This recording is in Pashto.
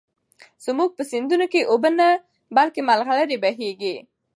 زموږ په سيندونو کې اوبه نه، بلكې ملغلرې بهېږي.